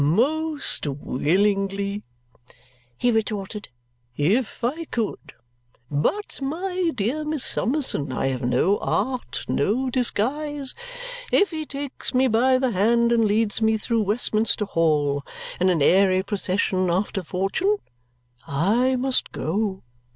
"Most willingly," he retorted, "if I could. But, my dear Miss Summerson, I have no art, no disguise. If he takes me by the hand and leads me through Westminster Hall in an airy procession after fortune, I must go.